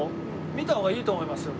見た方がいいと思いますよ。